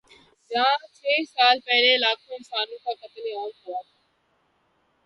جہاں کچھ سال پہلے لاکھوں انسانوں کا قتل عام ہوا تھا۔